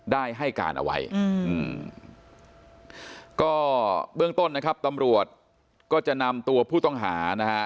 ได้ให้การเอาไว้อืมก็เบื้องต้นนะครับตำรวจก็จะนำตัวผู้ต้องหานะฮะ